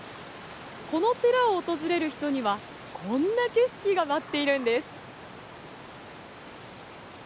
この寺を訪れる人には、こんな景色が待っているんです。